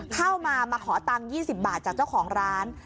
เข้ามามาขอตังค์๒๐บาทจากเจ้าของร้าน